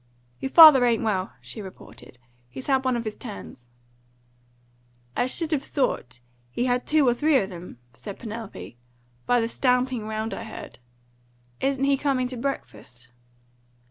"Your father ain't well," she reported. "He's had one of his turns." "I should have thought he had two or three of them," said Penelope, "by the stamping round I heard. Isn't he coming to breakfast?"